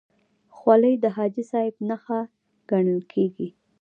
خولۍ د حاجي صاحب نښه ګڼل کېږي.